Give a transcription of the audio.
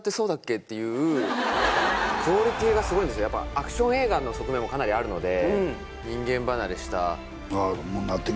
アクション映画の側面もかなりあるので。